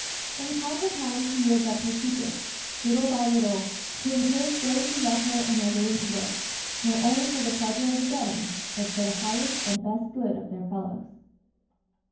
From time to time she yields up her secrets, little by little, to encourage those who love her and are willing to work, not only for the pleasure of the getting, but for the highest and best good of their fellows.